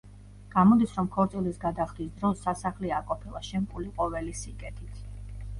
გამოდის, რომ ქორწილის გადახდის დროს სასახლე არ ყოფილა შემკული ყოველი სიკეთით.